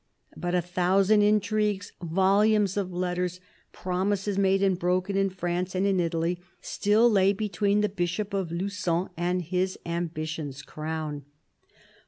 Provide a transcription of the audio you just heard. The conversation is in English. But a thousand intrigues, volumes of letters, promises made and broken in France and in Italy, still lay between the Bishop of Lugon and his ambition's crown.